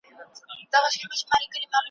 و مقصد ته رسیدل کار د ازل دئ